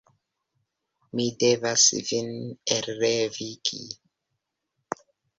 Mi devas vin elrevigi.